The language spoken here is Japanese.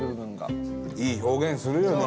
伊達：いい表現するよね。